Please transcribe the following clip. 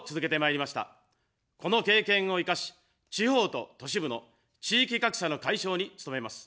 この経験を生かし、地方と都市部の地域格差の解消に努めます。